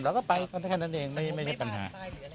แล้วก็ไปก็ได้แค่นั้นเองไม่ใช่ปัญหา